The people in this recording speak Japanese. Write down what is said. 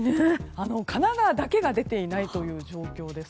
神奈川だけが出ていない状況です。